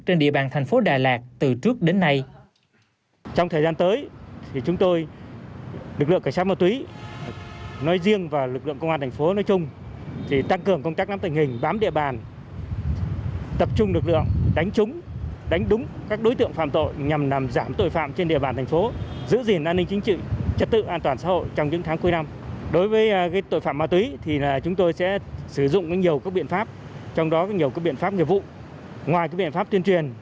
trên địa bàn thành phố đà lạt từ trước đến nay